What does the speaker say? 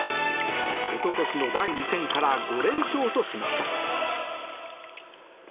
一昨年の第２戦から５連勝としました。